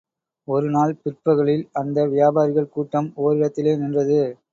ஒருநாள் பிற்பகலில், அந்த வியாபாரிகள் கூட்டம், ஓரிடத்திலே நின்றது.